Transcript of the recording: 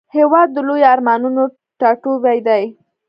هېواد د لویو ارمانونو ټاټوبی دی.